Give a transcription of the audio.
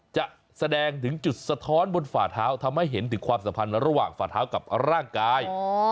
จะแสดงถึงจุดสะท้อนบนฝ่าเท้าทำให้เห็นถึงความสัมพันธ์ระหว่างฝ่าเท้ากับร่างกาย